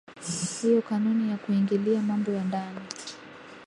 hiyo kanuni ya kuingilia mambo ya ndani